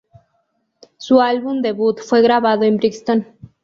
Su álbum debut fue grabado en Brixton.